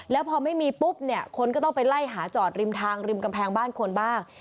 แล้วพอไม่มีปุ๊บเนี่ยคนก็ต้องไปไล่หาจอดริมทางริมกำแพงบ้านคนบ้าง